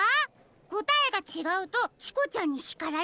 こたえがちがうとチコちゃんにしかられるんですよ。